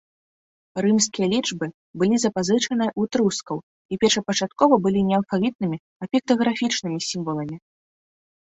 Рымскія лічбы былі запазычаныя ў этрускаў і першапачаткова былі не алфавітнымі, а піктаграфічнымі сімваламі.